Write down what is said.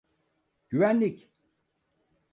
Güvenlik!